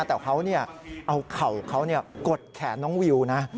แต่เขาเอาเข่าเขากดแขนน้องวิวนะ